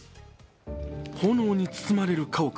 炎に包まれる家屋。